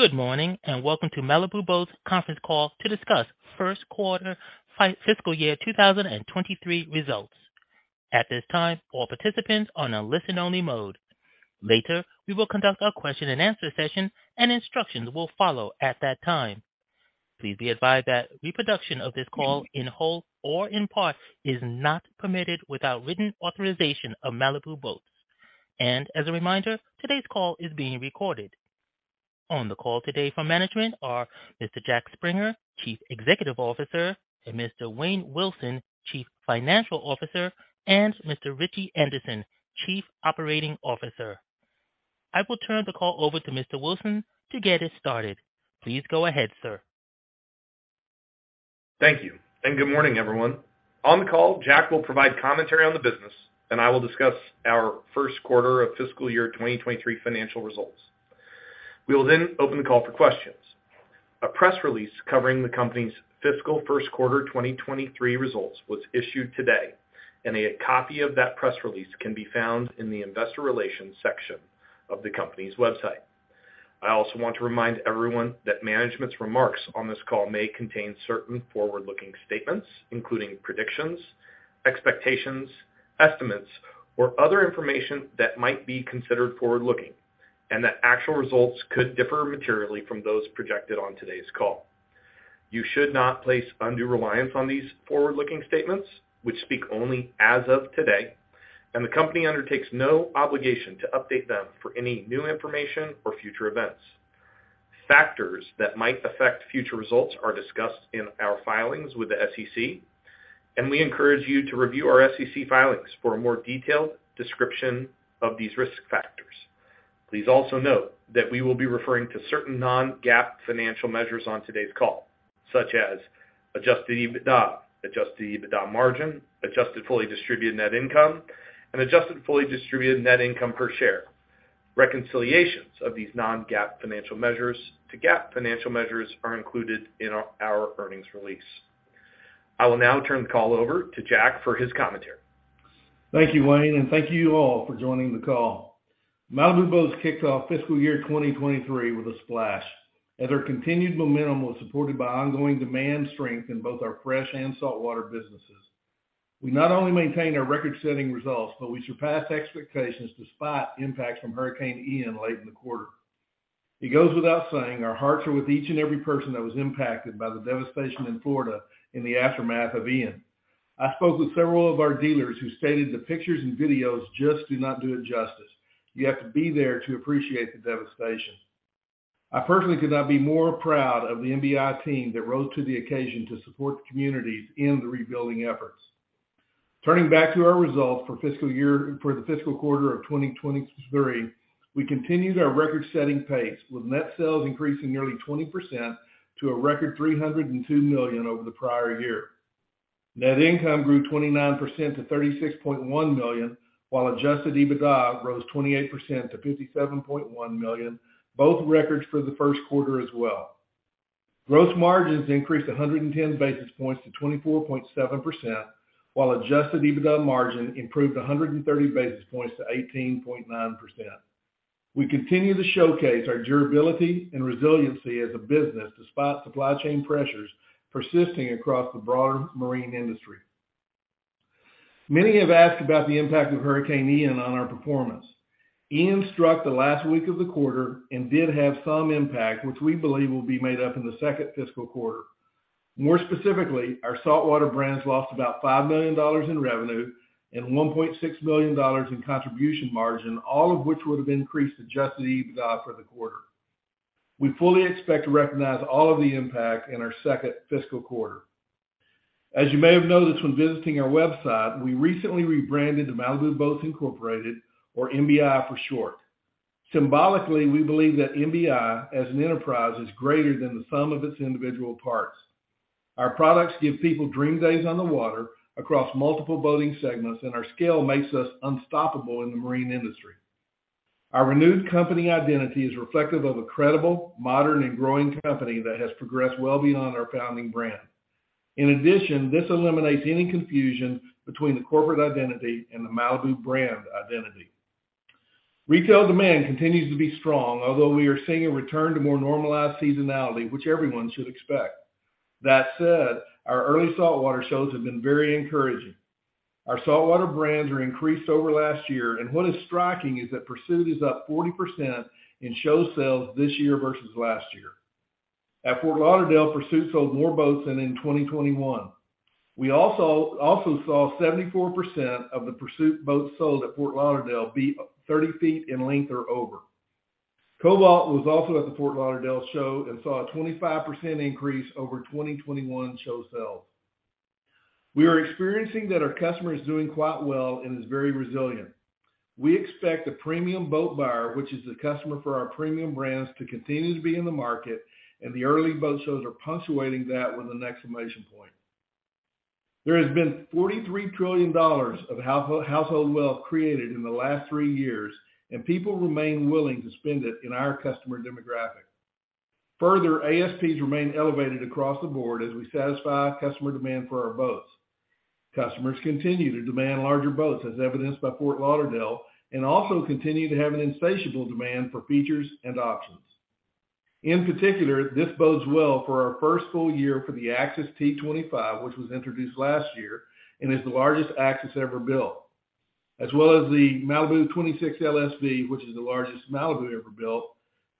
Good morning, and welcome to Malibu Boats Conference Call to discuss Q1 fiscal year 2023 results. At this time, all participants are on a listen only mode. Later, we will conduct our question and answer session, and instructions will follow at that time. Please be advised that reproduction of this call in whole or in part is not permitted without written authorization of Malibu Boats. As a reminder, today's call is being recorded. On the call today for management are Mr. Jack Springer, Chief Executive Officer, and Mr. Wayne Wilson, Chief Financial Officer, and Mr. Ritchie Anderson, Chief Operating Officer. I will turn the call over to Mr. Wilson to get us started. Please go ahead, sir. Thank you, and good morning, everyone. On the call, Jack will provide commentary on the business, and I will discuss our Q1 of fiscal year 2023 financial results. We will then open the call for questions. A press release covering the company's fiscal Q1 2023 results was issued today, and a copy of that press release can be found in the investor relations section of the company's website. I also want to remind everyone that management's remarks on this call may contain certain forward-looking statements, including predictions, expectations, estimates, or other information that might be considered forward-looking, and that actual results could differ materially from those projected on today's call. You should not place undue reliance on these forward-looking statements which speak only as of today, and the company undertakes no obligation to update them for any new information or future events. Factors that might affect future results are discussed in our filings with the SEC, and we encourage you to review our SEC filings for a more detailed description of these risk factors. Please also note that we will be referring to certain Non-GAAP financial measures on today's call, such as adjusted EBITDA, adjusted EBITDA margin, adjusted fully distributed net income, and adjusted fully distributed net income per share. Reconciliations of these Non-GAAP financial measures to GAAP financial measures are included in our earnings release. I will now turn the call over to Jack for his commentary. Thank you, Wayne, and thank you all for joining the call. Malibu Boats kicked off fiscal year 2023 with a splash, as our continued momentum was supported by ongoing demand strength in both our fresh and saltwater businesses. We not only maintained our record-setting results, but we surpassed expectations despite impacts from Hurricane Ian late in the quarter. It goes without saying, our hearts are with each and every person that was impacted by the devastation in Florida in the aftermath of Ian. I spoke with several of our dealers who stated the pictures and videos just do not do it justice. You have to be there to appreciate the devastation. I personally could not be more proud of the MBI team that rose to the occasion to support the communities in the rebuilding efforts. Turning back to our results for the fiscal quarter of 2023, we continued our record-setting pace, with net-sales increasing nearly 20% to a record $302 million over the prior year. Net income grew 29% to $36.1 million, while adjusted EBITDA rose 28% to $57.1 million, both records for the Q1 as well. Gross margins increased 110 basis points to 24.7%, while adjusted EBITDA margin improved 130 basis points to 18.9%. We continue to showcase our durability and resiliency as a business despite supply chain pressures persisting across the broader marine industry. Many have asked about the impact of Hurricane Ian on our performance. Ian struck the last week of the quarter and did have some impact which we believe will be made up in the second fiscal quarter. More specifically, our saltwater brands lost about $5 million in revenue and $1.6 million in contribution margin, all of which would have increased Adjusted EBITDA for the quarter. We fully expect to recognize all of the impact in our second fiscal quarter. As you may have noticed when visiting our website, we recently rebranded to Malibu Boats Incorporated or MBI for short. Symbolically, we believe that MBI as an enterprise is greater than the sum of its individual parts. Our products give people dream days on the water across multiple boating segments, and our scale makes us unstoppable in the marine industry. Our renewed company identity is reflective of a credible, modern, and growing company that has progressed well beyond our founding brand. In addition, this eliminates any confusion between the corporate identity and the Malibu brand identity. Retail demand continues to be strong, although we are seeing a return to more normalized seasonality, which everyone should expect. That said, our early saltwater shows have been very encouraging. Our saltwater brands have increased over last year, and what is striking is that Pursuit is up 40% in show sales this year versus last year. At Fort Lauderdale, Pursuit sold more boats than in 2021. We also saw 74% of the Pursuit boats sold at Fort Lauderdale be 30 feet in length or over. Cobalt was also at the Fort Lauderdale show and saw a 25% increase over 2021 show sales. We are experiencing that our customer is doing quite well and is very resilient. We expect the premium boat buyer, which is the customer for our premium brands, to continue to be in the market, and the early boat shows are punctuating that with an exclamation point. There has been $43 trillion of household wealth created in the last 3 years, and people remain willing to spend it in our customer demographic. Further, ASPs remain elevated across the board as we satisfy customer demand for our boats. Customers continue to demand larger boats as evidenced by Fort Lauderdale, and also continue to have an insatiable demand for features and options. In particular, this bodes well for our first full year for the Axis T250, which was introduced last year and is the largest Axis ever built. As well as the Malibu 26 LSV, which is the largest Malibu ever built.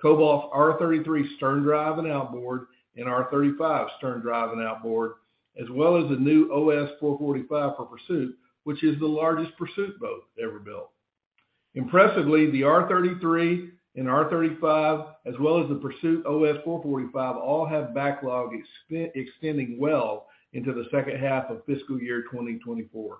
Cobalt R33 sterndrive and outboard and R35 sterndrive and outboard, as well as the new OS 445 for Pursuit, which is the largest Pursuit boat ever built. Impressively, the R33 and R35, as well as the Pursuit OS 445 all have backlog extending well into the H2 of fiscal year 2024.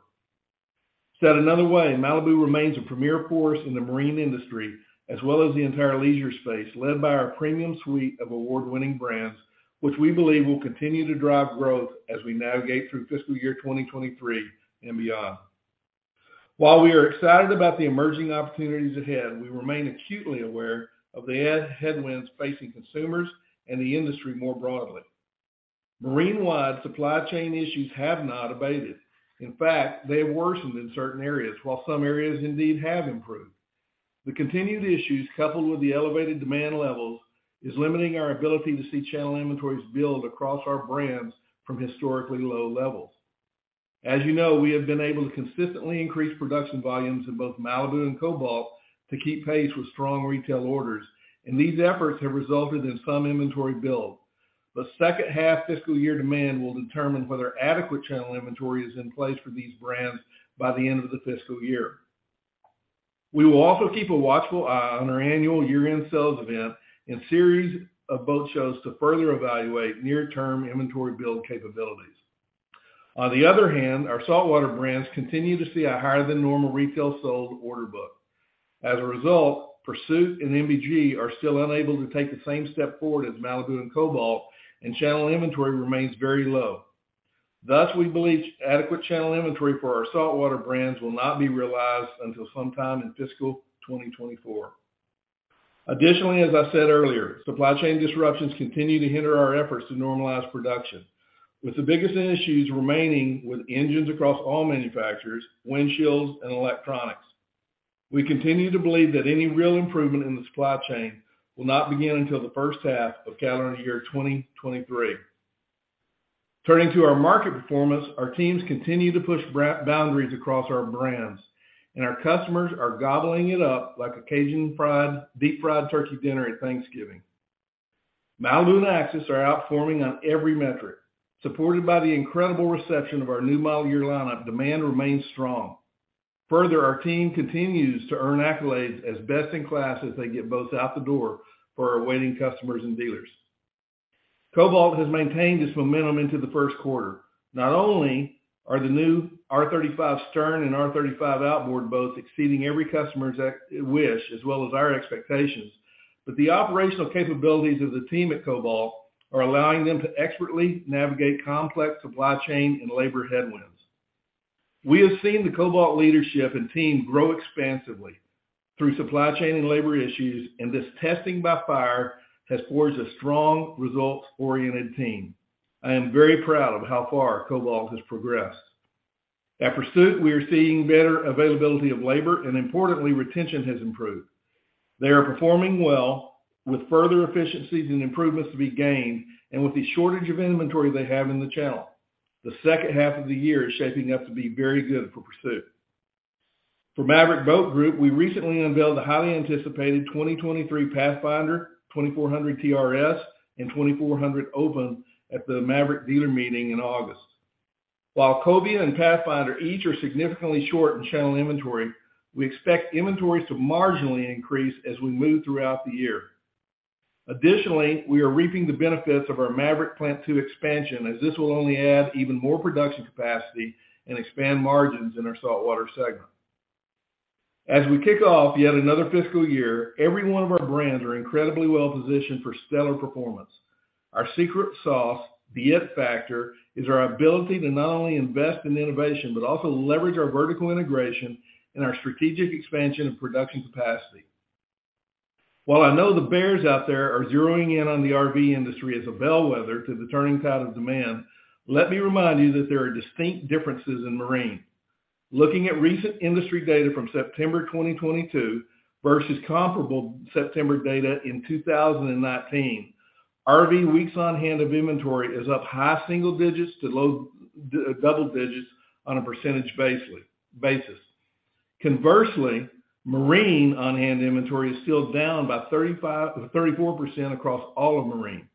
Said another way, Malibu remains a premier force in the marine industry as well as the entire leisure space, led by our premium suite of award-winning brands, which we believe will continue to drive growth as we navigate through fiscal year 2023 and beyond. While we are excited about the emerging opportunities ahead, we remain acutely aware of the headwinds facing consumers and the industry more broadly. Marine-wide supply chain issues have not abated. In fact, they have worsened in certain areas, while some areas indeed have improved. The continued issues, coupled with the elevated demand levels, is limiting our ability to see channel inventories build across our brands from historically low levels. As you know, we have been able to consistently increase production volumes in both Malibu and Cobalt to keep pace with strong retail orders, and these efforts have resulted in some inventory build. The second half fiscal year demand will determine whether adequate channel inventory is in place for these brands by the end of the fiscal year. We will also keep a watchful eye on our annual year-end sales event and series of boat shows to further evaluate near-term inventory build capabilities. On the other hand, our saltwater brands continue to see a higher than normal retail sold order book. As a result, Pursuit and MBG are still unable to take the same step forward as Malibu and Cobalt, and channel inventory remains very low. Thus, we believe adequate channel inventory for our saltwater brands will not be realized until sometime in fiscal 2024. Additionally, as I said earlier, supply chain disruptions continue to hinder our efforts to normalize production, with the biggest issues remaining with engines across all manufacturers, windshields and electronics. We continue to believe that any real improvement in the supply chain will not begin until the first half of calendar year 2023. Turning to our market performance, our teams continue to push break boundaries across our brands, and our customers are gobbling it up like a Cajun fried, deep-fried turkey dinner at Thanksgiving. Malibu and Axis are outperforming on every metric. Supported by the incredible reception of our new model year lineup, demand remains strong. Further, our team continues to earn accolades as best in class as they get boats out the door for our waiting customers and dealers. Cobalt has maintained its momentum into the first quarter. Not only are the new R35 sterndrive and R35 outboard boats exceeding every customer's expectations as well as our expectations, but the operational capabilities of the team at Cobalt are allowing them to expertly navigate complex supply chain and labor headwinds. We have seen the Cobalt leadership and team grow expansively through supply chain and labor issues, and this testing by fire has forged a strong results-oriented team. I am very proud of how far Cobalt has progressed. At Pursuit, we are seeing better availability of labor, and importantly, retention has improved. They are performing well with further efficiencies and improvements to be gained, and with the shortage of inventory they have in the channel. The H2 of the year is shaping up to be very good for Pursuit. For Maverick Boat Group, we recently unveiled the highly anticipated 2023 Pathfinder 2400 TRS and 2400 Open at the Maverick dealer meeting in August. While Cobia and Pathfinder each are significantly short in channel inventory, we expect inventory to marginally increase as we move throughout the year. Additionally, we are reaping the benefits of our Maverick Plant Two expansion as this will only add even more production capacity and expand margins in our saltwater segment. As we kick off yet another fiscal year, every one of our brands are incredibly well positioned for stellar performance. Our secret sauce, the it factor, is our ability to not only invest in innovation, but also leverage our vertical integration and our strategic expansion of production capacity. While I know the bears out there are zeroing in on the RV industry as a bellwether to the turning tide of demand, let me remind you that there are distinct differences in marine. Looking at recent industry data from September 2022 versus comparable September data in 2019, RV weeks on hand of inventory is up high single digits to low double digits on a percentage basis. Conversely, marine on-hand inventory is still down by 34% across all of marine.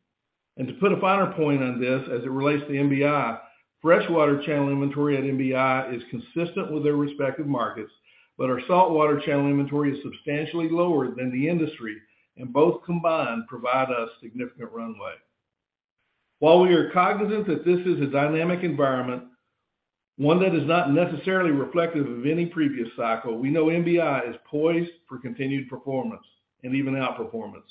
To put a finer point on this as it relates to MBUU, freshwater channel inventory at MBUU is consistent with their respective markets, but our saltwater channel inventory is substantially lower than the industry, and both combined provide us significant runway. While we are cognizant that this is a dynamic environment, one that is not necessarily reflective of any previous cycle, we know MBUU is poised for continued performance and even outperformance.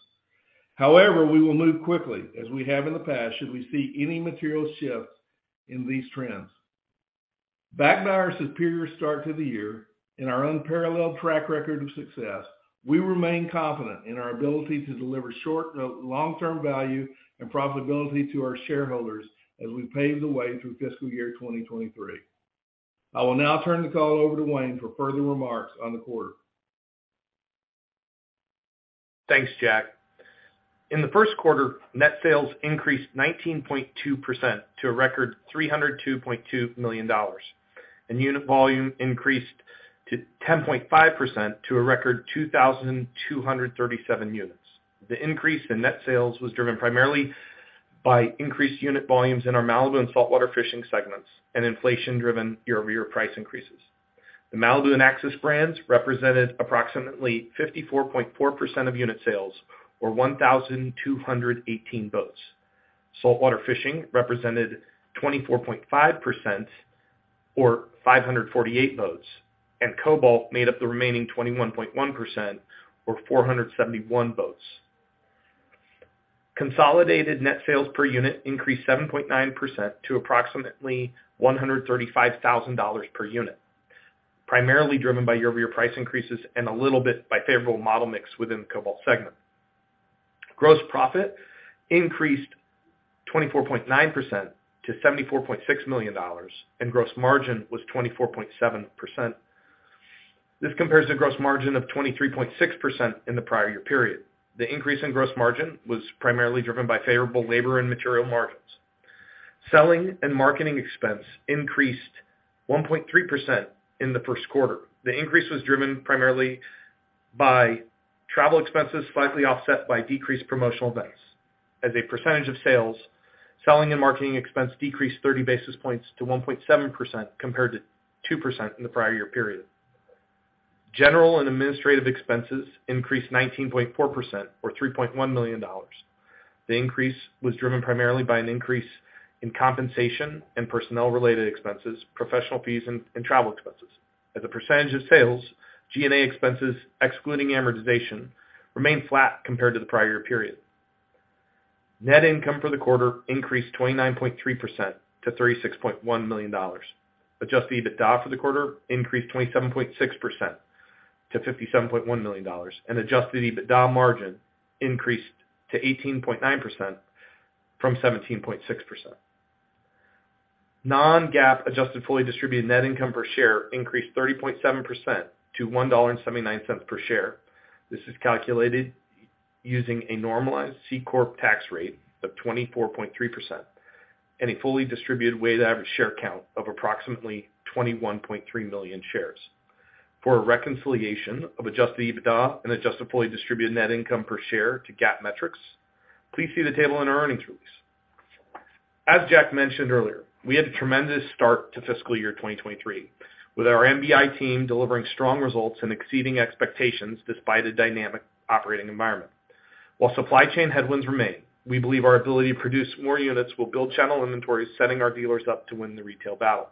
However, we will move quickly, as we have in the past, should we see any material shifts in these trends. Backed by our superior start to the year and our unparalleled track record of success, we remain confident in our ability to deliver long-term value and profitability to our shareholders as we pave the way through fiscal year 2023. I will now turn the call over to Wayne for further remarks on the quarter. Thanks, Jack. In the Q1, net sales increased 19.2% to a record $302.2 million, and unit volume increased 10.5% to a record 2,237 units. The increase in net sales was driven primarily by increased unit volumes in our Malibu and Saltwater fishing segments and inflation-driven year-over-year price increases. The Malibu and Axis brands represented approximately 54.4% of unit sales or 1,218 boats. Saltwater fishing represented 24.5% or 548 boats, and Cobalt made up the remaining 21.1% or 471 boats. Consolidated net sales per unit increased 7.9% to approximately $135,000 per unit, primarily driven by year-over-year price increases and a little bit by favorable model mix within the Cobalt segment. Gross profit increased 24.9% to $74.6 million, and gross margin was 24.7%. This compares to gross margin of 23.6% in the prior year period. The increase in gross margin was primarily driven by favorable labor and material margins. Selling and marketing expense increased 1.3% in the first quarter. The increase was driven primarily by travel expenses, slightly offset by decreased promotional events. As a percentage of sales, selling and marketing expense decreased 30 basis points to 1.7% compared to 2% in the prior year period. General and administrative expenses increased 19.4% or $3.1 million. The increase was driven primarily by an increase in compensation and personnel-related expenses, professional fees and travel expenses. As a percentage of sales, G&A expenses, excluding amortization, remained flat compared to the prior year period. Net income for the quarter increased 29.3% to $36.1 million. Adjusted EBITDA for the quarter increased 27.6% to $57.1 million, and adjusted EBITDA margin increased to 18.9% from 17.6%. Non-GAAP adjusted fully distributed net income per share increased 30.7% to $1.79 per share. This is calculated using a normalized C corp tax rate of 24.3% and a fully distributed weighted average share count of approximately 21.3 million shares. For a reconciliation of adjusted EBITDA and adjusted fully distributed net income per share to GAAP metrics, please see the table in our earnings release. As Jack mentioned earlier, we had a tremendous start to fiscal year 2023, with our MBUU team delivering strong results and exceeding expectations despite a dynamic operating environment. While supply chain headwinds remain, we believe our ability to produce more units will build channel inventories, setting our dealers up to win the retail battle.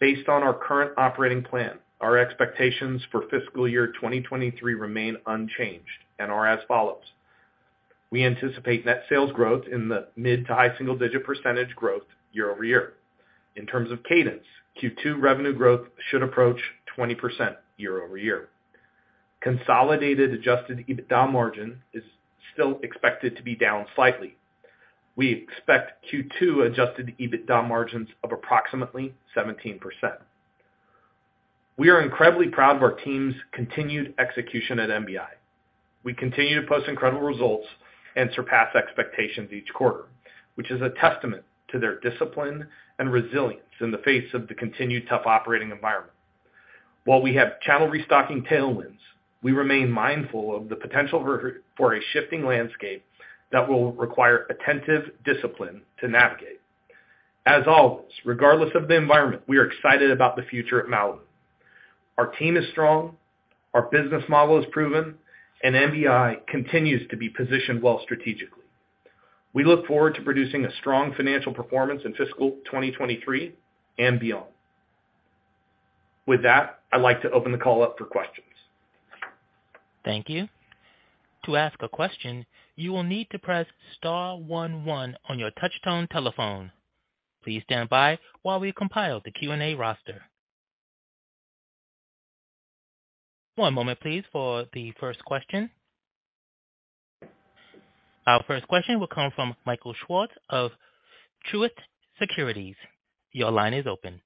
Based on our current operating plan, our expectations for fiscal year 2023 remain unchanged and are as follows. We anticipate net sales growth in the mid- to high single-digit % year-over-year. In terms of cadence, Q2 revenue growth should approach 20% year-over-year. Consolidated adjusted EBITDA margin is still expected to be down slightly. We expect Q2 adjusted EBITDA margins of approximately 17%. We are incredibly proud of our team's continued execution at MBUU. We continue to post incredible results and surpass expectations each quarter, which is a testament to their discipline and resilience in the face of the continued tough operating environment. While we have channel restocking tailwinds, we remain mindful of the potential for a shifting landscape that will require attentive discipline to navigate. As always, regardless of the environment, we are excited about the future at Malibu. Our team is strong, our business model is proven, and MBUU continues to be positioned well strategically. We look forward to producing a strong financial performance in fiscal 2023 and beyond. With that, I'd like to open the call up for questions. Thank you. To ask a question, you will need to press star one one on your touchtone telephone. Please stand by while we compile the Q&A roster. One moment please for the first question. Our first question will come from Michael Swartz of Truist Securities. Your line is open.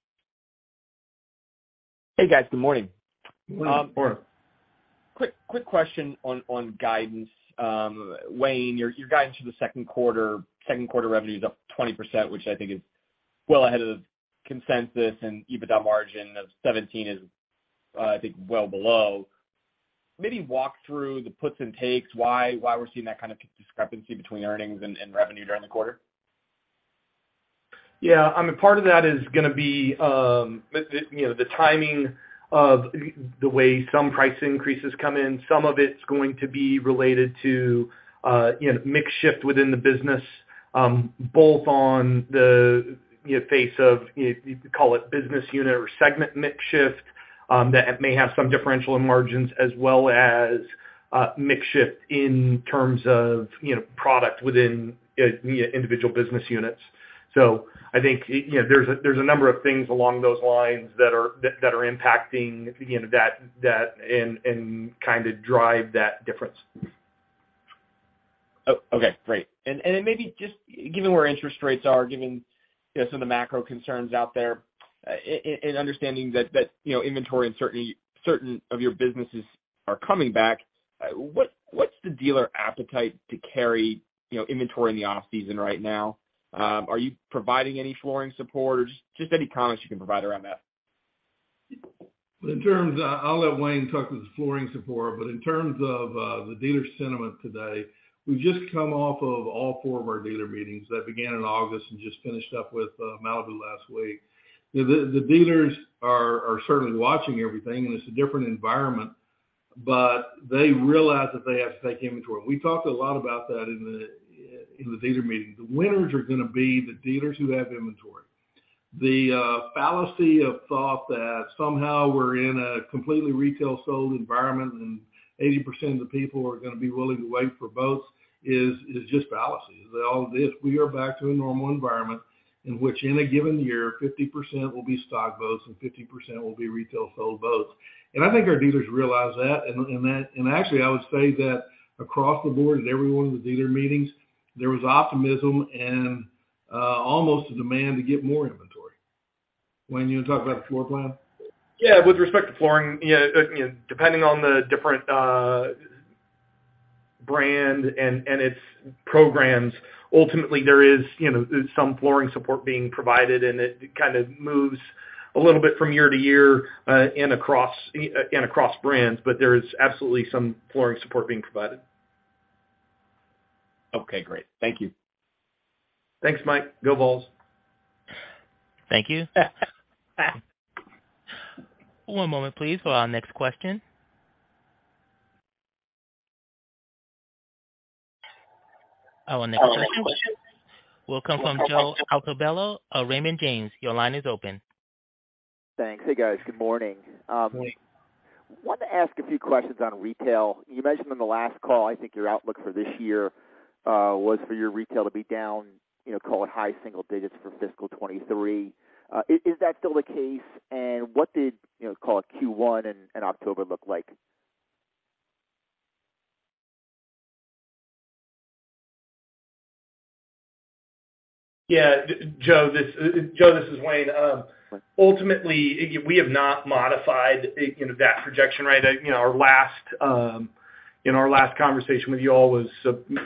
Hey, guys. Good morning. Good morning. Good morning. Quick question on guidance. Wayne, your guidance for the Q2 revenue is up 20%, which I think is well ahead of consensus, and EBITDA margin of 17% is, I think well below. Maybe walk through the puts and takes why we're seeing that kind of discrepancy between earnings and revenue during the quarter. Yeah, I mean, part of that is gonna be, you know, the timing of the way some price increases come in. Some of it's going to be related to, you know, mix shift within the business, both on the, you know, face of you could call it business unit or segment mix shift, that may have some differential in margins as well as, mix shift in terms of, you know, product within, the individual business units. I think, you know, there's a number of things along those lines that are impacting, you know, that and kinda drive that difference. Oh, okay, great. Maybe just given where interest rates are, given you know some of the macro concerns out there, and understanding that you know inventory in certain of your businesses are coming back, what's the dealer appetite to carry, you know, inventory in the off season right now? Are you providing any flooring support? Just any comments you can provide around that. I'll let Wayne talk to the floor plan support. In terms of the dealer sentiment today, we've just come off of all four of our dealer meetings that began in August and just finished up with Malibu last week. The dealers are certainly watching everything, and it's a different environment, but they realize that they have to take inventory. We talked a lot about that in the dealer meeting. The winners are gonna be the dealers who have inventory. The fallacy of thought that somehow we're in a completely retail sold environment and 80% of the people are gonna be willing to wait for boats is just fallacy. They all did. We are back to a normal environment in which in a given year, 50% will be stock boats and 50% will be retail sold boats. I think our dealers realize that. Actually, I would say that across the board at every one of the dealer meetings, there was optimism and almost a demand to get more inventory. Wayne, you want to talk about the floor plan? Yeah. With respect to flooring, you know, depending on the different brand and its programs, ultimately there is, you know, some flooring support being provided, and it kind of moves a little bit from year to year and across brands. There is absolutely some flooring support being provided. Okay, great. Thank you. Thanks, Mike. Go Vols. Thank you. One moment, please, for our next question. Our next question will come from Joe Altobello of Raymond James. Your line is open. Thanks. Hey, guys. Good morning. Morning. Wanted to ask a few questions on retail. You mentioned on the last call, I think your outlook for this year was for your retail to be down, you know, call it high single digits for fiscal 2023. Is that still the case? And what did, you know, call it Q1 and October look like? Yeah, Joe, this is Wayne. Ultimately, we have not modified, you know, that projection, right? You know, our last conversation with you all was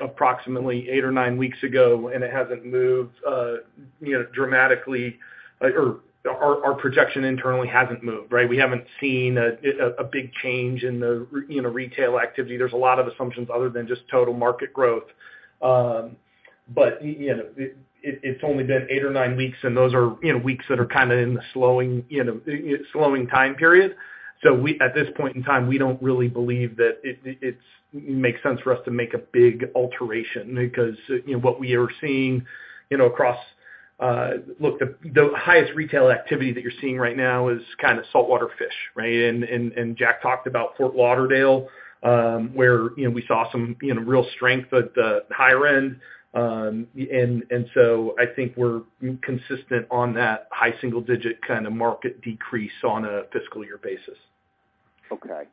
approximately eight or nine weeks ago, and it hasn't moved, you know, dramatically. Our projection internally hasn't moved, right? We haven't seen a big change in the retail activity, you know. There's a lot of assumptions other than just total market growth. But, you know, it’s only been eight or nine weeks, and those are, you know, weeks that are kind of in the slowing time period. At this point in time, we don't really believe that it makes sense for us to make a big alteration because, you know, what we are seeing, you know, across. Look, the highest retail activity that you're seeing right now is kind of saltwater fishing, right? Jack talked about Fort Lauderdale, where, you know, we saw some, you know, real strength at the higher end. I think we're consistent on that high single digit kind of market decrease on a fiscal year basis. Okay.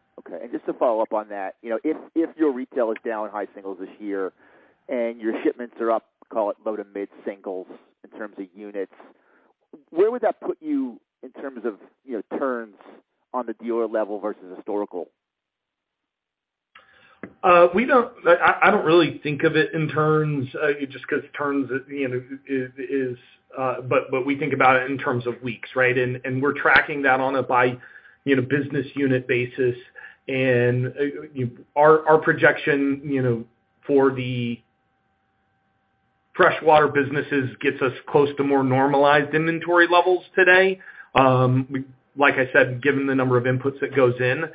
Just to follow up on that, you know, if your retail is down high singles this year and your shipments are up, call it low to mid singles in terms of units, where would that put you in terms of, you know, turns on the dealer level versus historical? I don't really think of it in turns, just because turns, you know, is, but we think about it in terms of weeks, right? We're tracking that on a by, you know, business unit basis. Our projection, you know, for the freshwater businesses gets us close to more normalized inventory levels today. Like I said, given the number of inputs that goes in,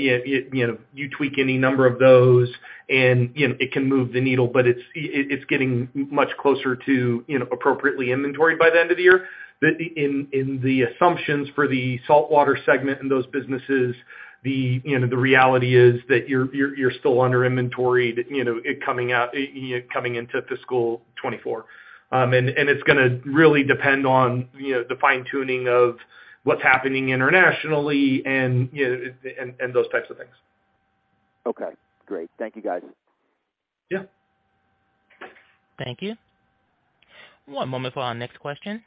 you know, you tweak any number of those and, you know, it can move the needle, but it's getting much closer to, you know, appropriately inventoried by the end of the year. In the assumptions for the saltwater segment in those businesses, you know, the reality is that you're still under inventoried, you know, coming into fiscal 2024. It's gonna really depend on, you know, the fine-tuning of what's happening internationally and, you know, and those types of things. Okay, great. Thank you, guys. Yeah. Thank you. One moment for our next question.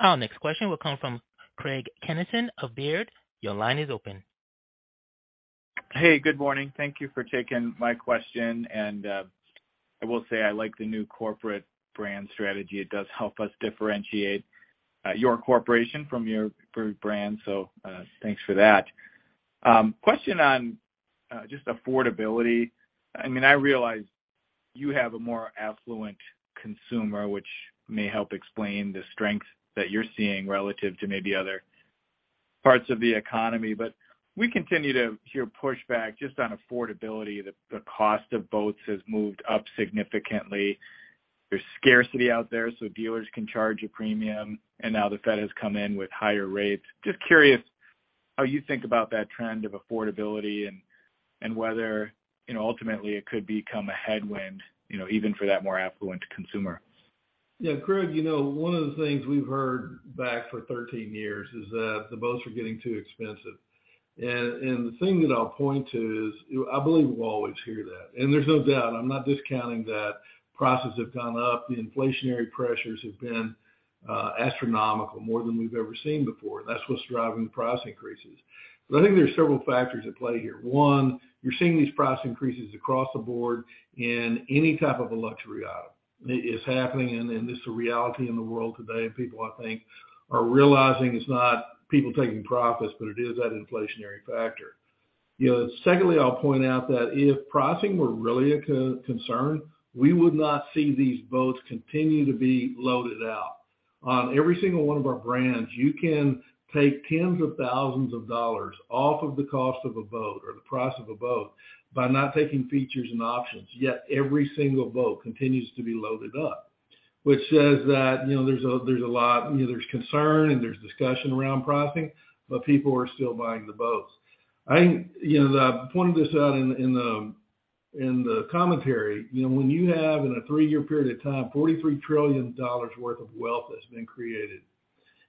Our next question will come from Craig Kennison of Baird. Your line is open. Hey, good morning. Thank you for taking my question. I will say I like the new corporate brand strategy. It does help us differentiate your corporation from your brand, so thanks for that. Question on just affordability. I mean, I realize you have a more affluent consumer, which may help explain the strength that you're seeing relative to maybe other parts of the economy. We continue to hear pushback just on affordability. The cost of boats has moved up significantly. There's scarcity out there, so dealers can charge a premium, and now the Fed has come in with higher rates. Just curious how you think about that trend of affordability and whether, you know, ultimately it could become a headwind, you know, even for that more affluent consumer. Yeah, Craig, you know, one of the things we've heard back for 13 years is that the boats are getting too expensive. The thing that I'll point to is I believe we'll always hear that, and there's no doubt, I'm not discounting that prices have gone up. The inflationary pressures have been astronomical, more than we've ever seen before. That's what's driving the price increases. I think there's several factors at play here. One, you're seeing these price increases across the board in any type of a luxury item. It is happening, and this is a reality in the world today, and people, I think, are realizing it's not people taking profits, but it is that inflationary factor. You know, secondly, I'll point out that if pricing were really a concern, we would not see these boats continue to be loaded out. On every single one of our brands, you can take tens of thousands of dollars off of the cost of a boat or the price of a boat by not taking features and options, yet every single boat continues to be loaded up. Which says that, you know, there's a lot, you know, there's concern and there's discussion around pricing, but people are still buying the boats. I think, you know, I pointed this out in the commentary. You know, when you have in a three-year period of time $43 trillion worth of wealth that's been created,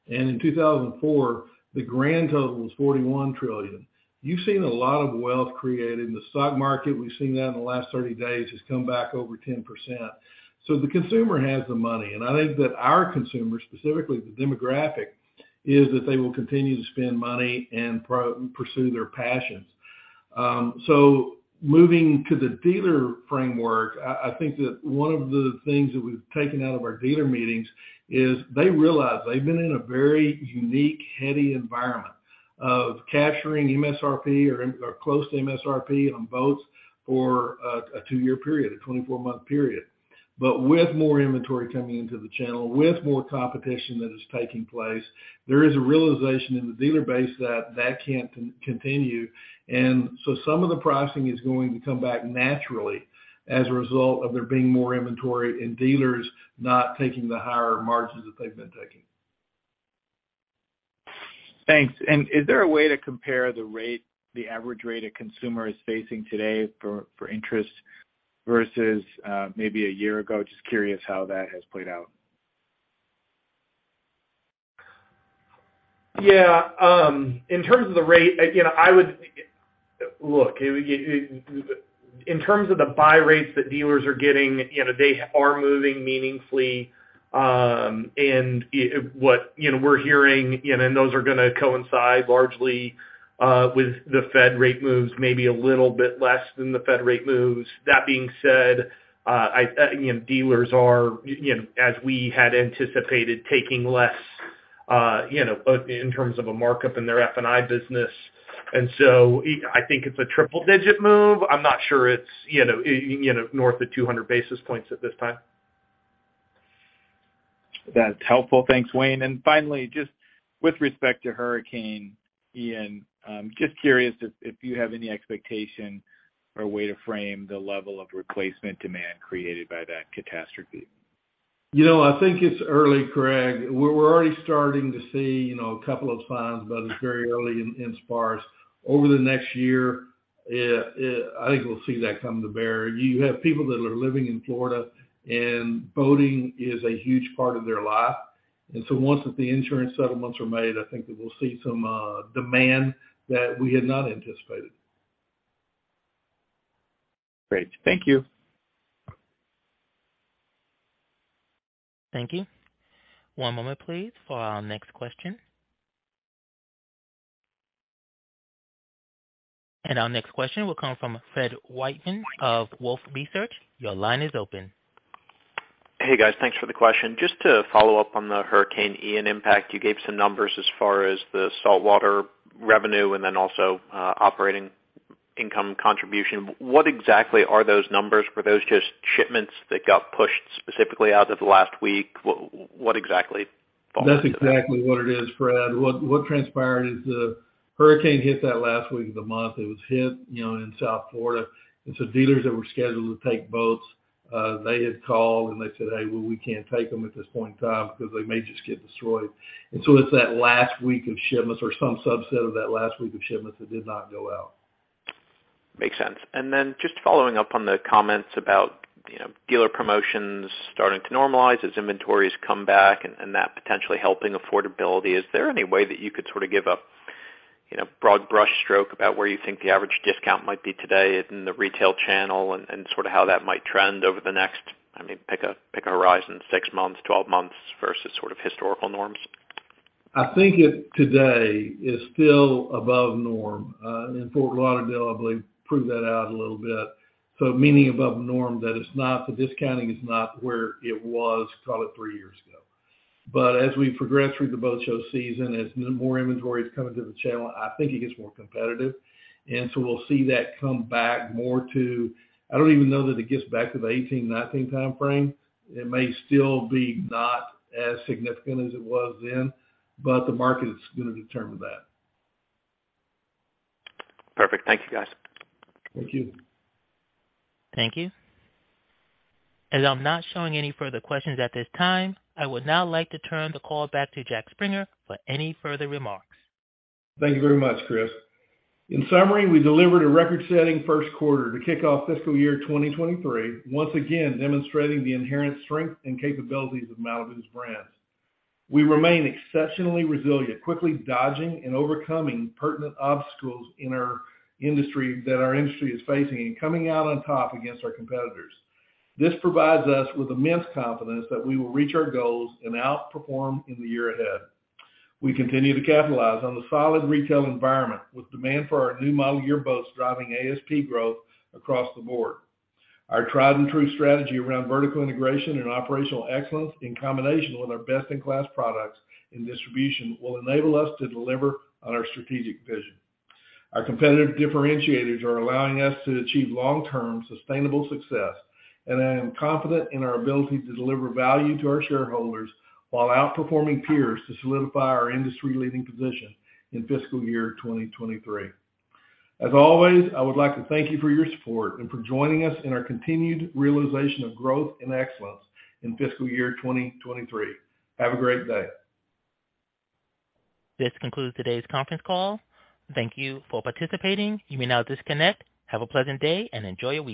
and in 2004, the grand total was $41 trillion. You've seen a lot of wealth created. In the stock market, we've seen that in the last 30 days has come back over 10%. The consumer has the money. I think that our consumers, specifically the demographic, is that they will continue to spend money and pursue their passions. Moving to the dealer framework, I think that one of the things that we've taken out of our dealer meetings is they realize they've been in a very unique, heady environment of capturing MSRP or close to MSRP on boats for a two-year period, a 24-month period. With more inventory coming into the channel, with more competition that is taking place, there is a realization in the dealer base that that can't continue. Some of the pricing is going to come back naturally as a result of there being more inventory and dealers not taking the higher margins that they've been taking. Thanks. Is there a way to compare the rate, the average rate a consumer is facing today for interest versus maybe a year ago? Just curious how that has played out. Yeah. In terms of the rate, you know, I would look, in terms of the buy rates that dealers are getting, you know, they are moving meaningfully. And what we're hearing, those are gonna coincide largely with the Fed rate moves, maybe a little bit less than the Fed rate moves. That being said, I you know, dealers are you know, as we had anticipated, taking less you know, both in terms of a markup in their F&I business. I think it's a triple digit move. I'm not sure it's you know, north of 200 basis points at this time. That's helpful. Thanks, Wayne. Finally, just with respect to Hurricane Ian, just curious if you have any expectation or way to frame the level of replacement demand created by that catastrophe. You know, I think it's early, Craig. We're already starting to see, you know, a couple of signs, but it's very early and sparse. Over the next year, I think we'll see that come to bear. You have people that are living in Florida and boating is a huge part of their life. Once the insurance settlements are made, I think that we'll see some demand that we had not anticipated. Great. Thank you. Thank you. One moment please for our next question. Our next question will come from Fred Wightman of Wolfe Research. Your line is open. Hey, guys. Thanks for the question. Just to follow up on the Hurricane Ian impact, you gave some numbers as far as the saltwater revenue and then also, operating income contribution. What exactly are those numbers? Were those just shipments that got pushed specifically out of the last week? What exactly falls into that? That's exactly what it is, Fred. What transpired is the hurricane hit that last week of the month. It hit, you know, in South Florida. Dealers that were scheduled to take boats, they had called and they said, "Hey, well, we can't take them at this point in time because they may just get destroyed." It's that last week of shipments or some subset of that last week of shipments that did not go out. Makes sense. Just following up on the comments about, you know, dealer promotions starting to normalize as inventories come back and that potentially helping affordability. Is there any way that you could sort of give a, you know, broad brushstroke about where you think the average discount might be today in the retail channel and sort of how that might trend over the next, I mean, pick a horizon, six months, 12 months versus sort of historical norms? I think it today is still above norm. In Fort Lauderdale, I believe, proved that out a little bit. Meaning above norm, that it's not, the discounting is not where it was, call it 3 years ago. As we progress through the boat show season, as more inventory is coming to the channel, I think it gets more competitive. We'll see that come back more to. I don't even know that it gets back to the 18, 19 time-frame. It may still be not as significant as it was then, but the market is gonna determine that. Perfect. Thank you, guys. Thank you. Thank you. As I'm not showing any further questions at this time, I would now like to turn the call back to Jack Springer for any further remarks. Thank you very much, Chris. In summary, we delivered a record-setting Q1 to kick off fiscal year 2023, once again demonstrating the inherent strength and capabilities of Malibu's brands. We remain exceptionally resilient, quickly dodging and overcoming pertinent obstacles in our industry that our industry is facing and coming out on top against our competitors. This provides us with immense confidence that we will reach our goals and outperform in the year ahead. We continue to capitalize on the solid retail environment with demand for our new model year boats driving ASP growth across the board. Our tried and true strategy around vertical integration and operational excellence in combination with our best-in-class products and distribution will enable us to deliver on our strategic vision. Our competitive differentiators are allowing us to achieve long-term sustainable success, and I am confident in our ability to deliver value to our shareholders while outperforming peers to solidify our industry leading position in fiscal year 2023. As always, I would like to thank you for your support and for joining us in our continued realization of growth and excellence in fiscal year 2023. Have a great day. This concludes today's conference call. Thank you for participating. You may now disconnect. Have a pleasant day and enjoy your weekend.